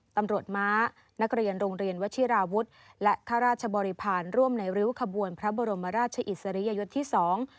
ตำรวจม้านักเรียนโรงเรียนวชิราวุฒิและข้าราชบริพาณร่วมในริ้วขบวนพระบรมราชอิสริยยศที่สอง